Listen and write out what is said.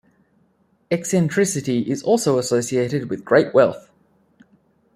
Eccentricity is also associated with great wealth.